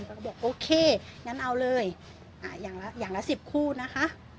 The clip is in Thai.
เขาบอกโอเคงั้นเอาเลยอย่างละ๑๐คู่นะคะ